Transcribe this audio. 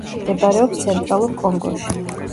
მდებარეობს ცენტრალურ კონგოში.